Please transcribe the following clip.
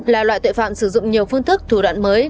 là loại tội phạm sử dụng nhiều phương thức thủ đoạn mới